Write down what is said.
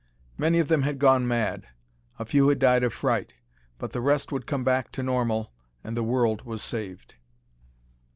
Many of them had gone mad, a few had died of fright, but the rest would come back to normal, and the world was saved.